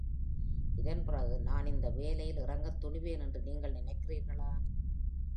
இதன்பிறகு நான் இந்த வேலையில் இறங்கத் துணிவேன் என்று நீங்கள் நினைக்கிறீர்களா?